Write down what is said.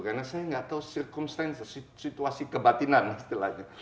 karena saya gak tahu circumstance situasi kebatinan istilahnya